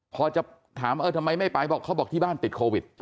พอจะถามเออทำไมไม่ไปบอกเขาบอกที่บ้านติดโควิด